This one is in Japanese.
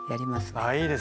あいいですね。